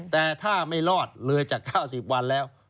แต่ถ้าไม่รอดเลยจาก๙๐วันแล้ว